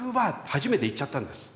初めて言っちゃったんです。